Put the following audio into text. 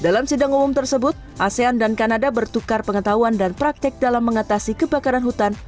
dalam sidang umum tersebut asean dan kanada bertukar pengetahuan dan praktek dalam mengatasi kebakaran hutan